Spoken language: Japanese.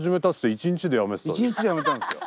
１日でやめたんですよ。